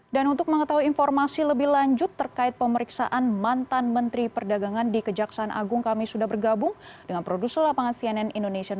dan untuk mengetahui informasi lebih lanjut terkait pemeriksaan mantan menteri perdagangan di kejaksaan agung kami sudah bergabung dengan produser lapangan cnn indonesia